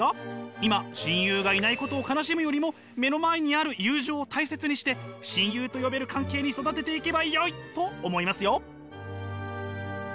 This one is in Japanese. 今親友がいないことを悲しむよりも目の前にある友情を大切にして親友と呼べる関係に育てていけばよいと思いますよ。